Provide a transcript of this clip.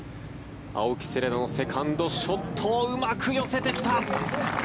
青木瀬令奈のセカンドショットうまく寄せてきた。